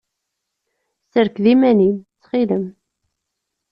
Serked iman-im, ttxil-m.